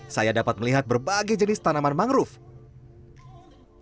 saya dapat melihat berbagai jenis tanaman mangrove